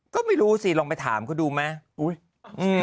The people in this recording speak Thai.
ก็ไม่รู้สิลองไปถามเขาดูไหม